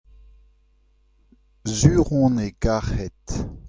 sur on e karhed.